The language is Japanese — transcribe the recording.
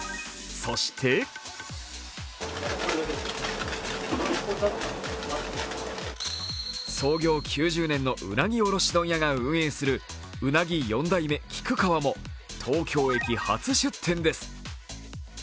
そして創業９０年のうなぎ卸問屋が運営するうなぎ四代目菊川も東京駅初出店です。